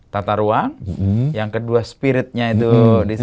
tata ruang yang kedua spiritnya itu